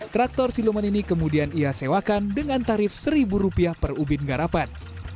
traktor siluman ini kemudian ia sewakan dengan tarif rp satu per ubin garapan